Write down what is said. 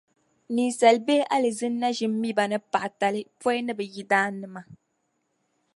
Ninsala bee alizini na ʒin mi ba ni paɣatali pɔi ni bɛ yidannima.